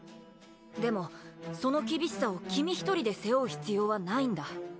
でもその厳しさを君一人で背負う必要はないんだ